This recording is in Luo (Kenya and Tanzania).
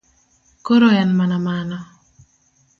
Koro en mana mano.